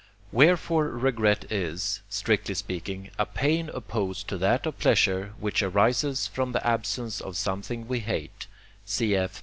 Wherefore regret is, strictly speaking, a pain opposed to that of pleasure, which arises from the absence of something we hate (cf.